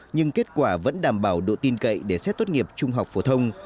nhưng kết quả vẫn đảm bảo độ tin cậy để xét tốt nghiệp trung học phổ thông